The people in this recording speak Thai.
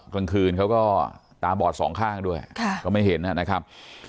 กลางคืนเขาก็ตาบอดสองข้างด้วยก็ไม่เห็นนะครับ